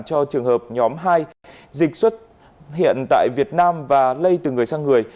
cho trường hợp nhóm hai dịch xuất hiện tại việt nam và lây từ người sang người